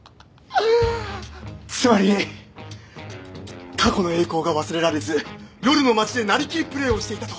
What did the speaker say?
つまり過去の栄光が忘れられず夜の街でなりきりプレイをしていたと。